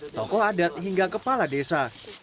tokoh adat hingga kepala desa